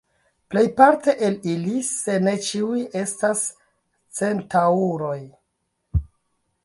Plejparte el ili, se ne ĉiuj, estas Centaŭroj.